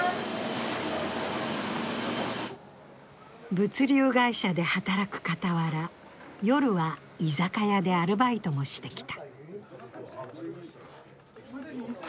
物流会社で働くかたわら、夜は居酒屋でアルバイトをしてきた。